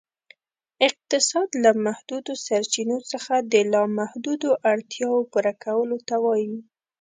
اقتصاد ، له محدودو سرچینو څخه د لا محدودو اړتیاوو پوره کولو ته وایي.